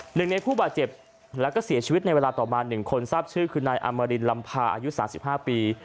หนึ่งในผู้บาดเจ็บแล้วก็เสียชีวิตในเวลาต่อมา๑คนทราบชื่อคือนายอมรินลำพาอายุ๓๕ปี